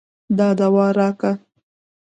دا دوا راکه.